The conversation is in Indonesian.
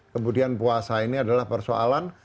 kemudian puasa ini adalah persoalan